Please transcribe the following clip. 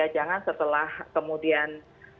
jangan setelah kemudian